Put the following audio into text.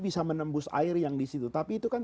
bisa menembus air yang di situ tapi itu kan